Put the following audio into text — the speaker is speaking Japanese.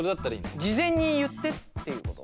事前に言ってっていうこと？